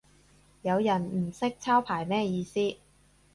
有人唔識抄牌咩意思